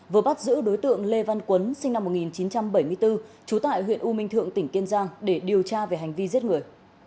vừa bắt giữ đối tượng lê văn quấn sinh năm một nghìn chín trăm bảy mươi bốn trú tại huyện u minh thượng tỉnh kiên giang để điều tra về hành vi giết người